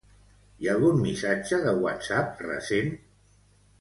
Hi ha algun missatge de Whatsapp recent?